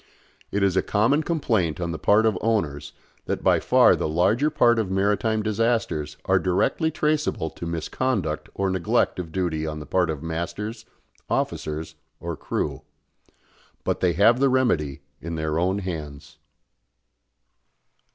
It is a common complaint on the part of owners that by far the larger part of maritime disasters are directly traceable to misconduct or neglect of duty on the part of masters, officers or crew; but they have the remedy in their own hands.